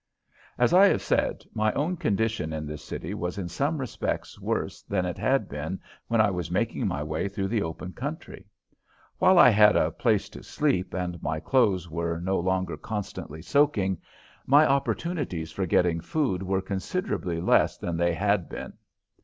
As I have said, my own condition in this city was in some respects worse than it had been when I was making my way through the open country. While I had a place to sleep and my clothes were no longer constantly soaking, my opportunities for getting food were considerably less than they had been.